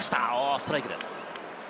ストライクです。